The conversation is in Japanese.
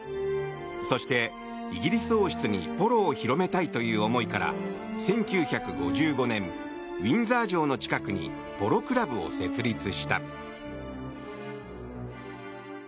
そしてイギリス王室にポロを広めたいという思いから１９５５年、ウィンザー城の近くにポロクラブを設立した。